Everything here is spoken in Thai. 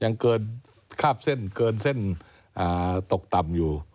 ยังเกินคาบเส้นเกินเส้นตกต่ำอยู่